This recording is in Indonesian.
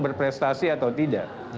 berprestasi atau tidak